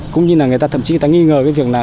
cũng như là thậm chí người ta nghi ngờ cái việc là